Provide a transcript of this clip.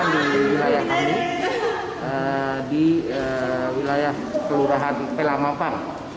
diwilayah kami diwilayah kelurahan pela mampang